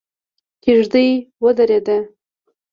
کېږدۍ ودرېده.